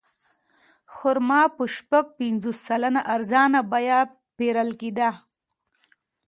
خرما په شپږ پنځوس سلنه ارزانه بیه پېرل کېده.